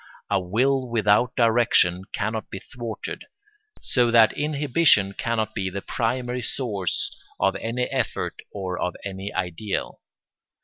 A will without direction cannot be thwarted; so that inhibition cannot be the primary source of any effort or of any ideal.